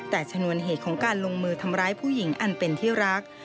แต่ชนวนเหตุของการลงมือทำร้ายผู้หญิงอันเป็นที่รัก